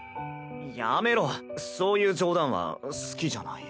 やめろそういう冗談は好きじゃない。